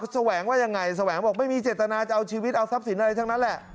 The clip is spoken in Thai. สว่างบอกว่าไม่มีจริงจะเอาชีวิตเอาทรัพย์สินอะไรทั้งนั้นแหละ